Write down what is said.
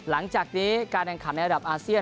ว่าลังจากนี้การแข่งขันในสำหรับอาเซียน